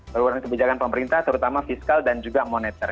bauran kebijakan pemerintah terutama fiskal dan juga monitor